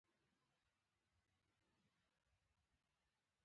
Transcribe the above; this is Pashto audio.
دوی مخکې هم اقدام کړی وو.